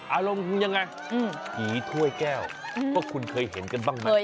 อารมณ์คุณยังไงผีถ้วยแก้วว่าคุณเคยเห็นกันบ้างไหม